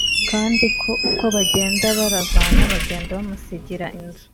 kandi ko uko bagenda baravana bagenda bamusigira inzu